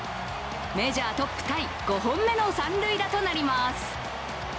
メジャートップタイ５本目の三塁打となります。